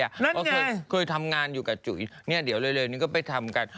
ก็เคยทำงานอยู่กับจุ๋ยเนี่ยเดี๋ยวเร็วนี้ก็ไปทำกัน